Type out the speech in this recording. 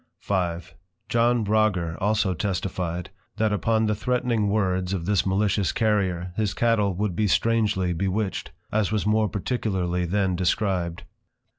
V. John Rogger also testifyed, That upon the threatning words of this malicious Carrier, his Cattle would be strangely bewitched; as was more particularly then described.